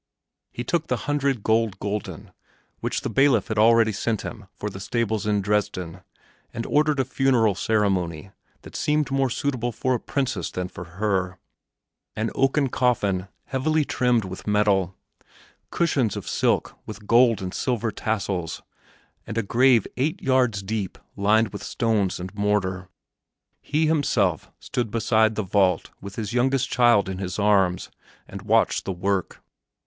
He took the hundred gold gulden which the bailiff had already sent him for the stables in Dresden, and ordered a funeral ceremony that seemed more suitable for a princess than for her an oaken coffin heavily trimmed with metal, cushions of silk with gold and silver tassels, and a grave eight yards deep lined with stones and mortar. He himself stood beside the vault with his youngest child in his arms and watched the work.